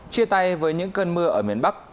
chia tay với những cơn mưa ở miền bắc